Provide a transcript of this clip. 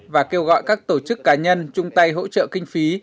và kêu gọi các tổ chức cá nhân chung tay hỗ trợ kinh phí